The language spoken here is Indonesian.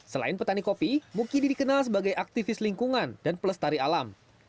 selain petani kopi mukidi dikenal sebagai aktivis lingkungan dan pelestari alam